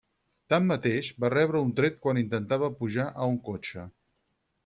Tanmateix, va rebre un tret quan intentava pujar a un cotxe.